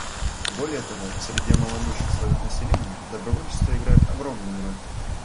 Более того, в среде малоимущих слоев населения добровольчество играет огромную роль.